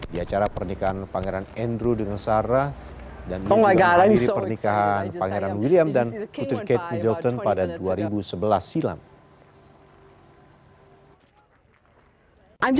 di acara pernikahan pangeran andrew dengan sarah dan juga menghadiri pernikahan pangeran william dan putri kate middleton pada dua ribu sebelas silam